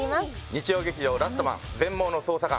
日曜劇場「ラストマン−全盲の捜査官−」